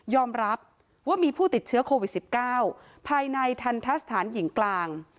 รับว่ามีผู้ติดเชื้อโควิด๑๙ภายในทันทะสถานหญิงกลาง